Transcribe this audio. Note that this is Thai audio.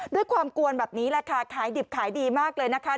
กวนแบบนี้แหละค่ะขายดิบขายดีมากเลยนะคะ